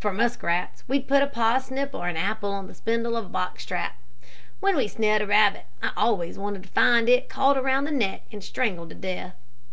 For musk rats, we'd put a parsnip or an apple on the spindle of a box trap. When we snared a rabbit, I always wanted to find it caught around the neck and strangled to death.